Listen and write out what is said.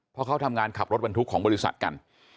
เพราะเขาทำงานขับรถบรรทุกของบริษัทกัน